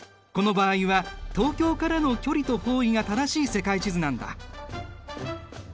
この場合は東京からの距離と方位が正しい世界地図なんだ。